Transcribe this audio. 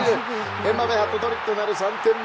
エムバペハットトリックとなる３点目。